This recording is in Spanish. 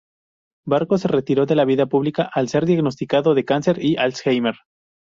Barco se retiró de la vida pública al ser diagnosticado de cáncer y Alzheimer.